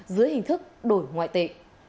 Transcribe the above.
dưới hình thức đổi ngoại tệ